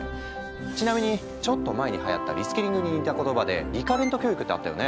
ちなみにちょっと前にはやったリスキリングに似た言葉でリ・カレント教育ってあったよね。